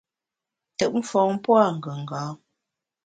Ntùt mfon pua’ ngùnga.